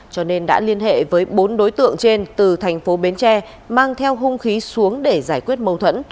cho nên đã liên hệ với bốn đối tượng trên từ thành phố bến tre mang theo hung khí xuống để giải quyết mâu thuẫn